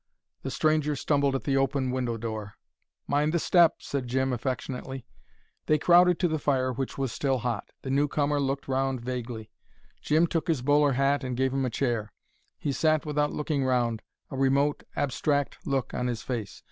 The stranger stumbled at the open window door. "Mind the step," said Jim affectionately. They crowded to the fire, which was still hot. The newcomer looked round vaguely. Jim took his bowler hat and gave him a chair. He sat without looking round, a remote, abstract look on his face.